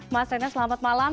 mas reynard selamat malam